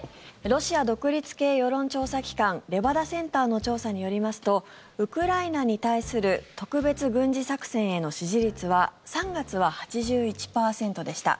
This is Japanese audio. ロシア独立系世論調査機関レバダ・センターの調査によりますとウクライナに対する特別軍事作戦への支持率は３月は８１％でした。